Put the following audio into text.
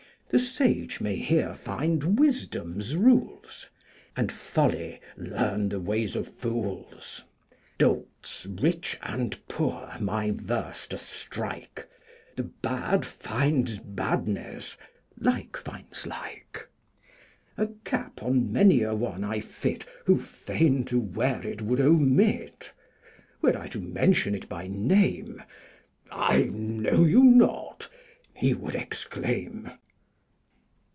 The sage may here find Wisdom's rules, And Folly learn the ways of fools. Dolts rich and poor my verse doth strike; The bad finds badness, like finds like; A cap on many a one I fit Who fain to wear it would omit. Were I to mention it by name, 'I know you not,' he would exclaim."